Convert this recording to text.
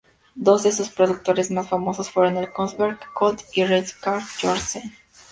Dos de sus productos más famosos fueron el Kongsberg Colt y el rifle Krag-Jørgensen.